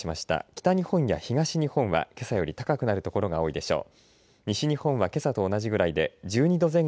北日本や東日本は、けさより高くなる所が多いでしょう。